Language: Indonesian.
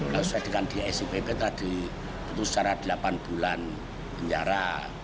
kalau saya dengan di sipp tadi putus secara delapan bulan penjara